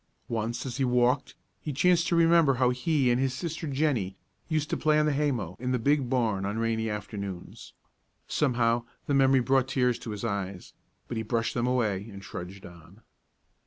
Once as he walked, he chanced to remember how he and his sister Jennie used to play on the haymow in the big barn on rainy afternoons. Somehow the memory brought tears to his eyes; but he brushed them away and trudged on.